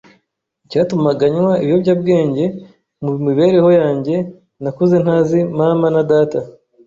Icyatumaga nywa ibiyobyabwenge, mu mibereho yanjye nakuze ntazi mama na data